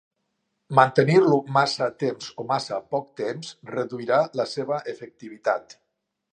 Mantenir-lo massa temps o massa poc temps reduirà la seva efectivitat.